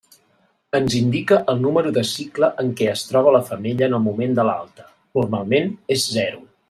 Ens indica el número de cicle en què es troba la femella en el moment de l'alta, normalment és zero.